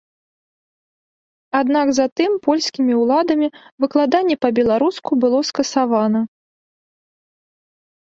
Аднак затым польскімі ўладамі выкладанне па-беларуску было скасавана.